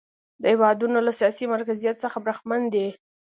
دا هېوادونه له سیاسي مرکزیت څخه برخمن دي.